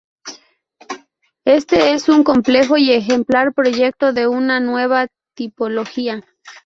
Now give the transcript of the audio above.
Este es un complejo y ejemplar proyecto de una nueva tipología.